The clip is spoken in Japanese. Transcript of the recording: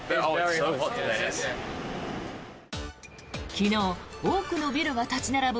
昨日、多くのビルが立ち並ぶ